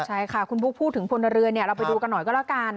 ใช่ค่ะคุณบุ๊คพูดถึงพลเรือนเราไปดูกันหน่อยก็แล้วกัน